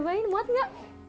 coba muat enggak